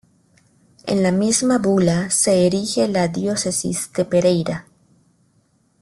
En la misma bula se erige la diócesis de Pereira.